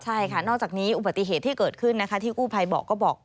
ใช่ค่ะนอกจากนี้อุบัติเหตุที่เกิดขึ้นนะคะที่กู้ภัยบอกก็บอก